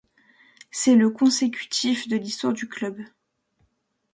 C'est le -consécutif- de l'histoire du club.